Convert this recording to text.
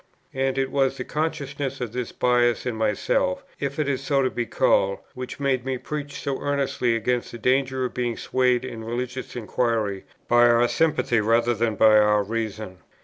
And it was the consciousness of this bias in myself, if it is so to be called, which made me preach so earnestly against the danger of being swayed in religious inquiry by our sympathy rather than by our reason.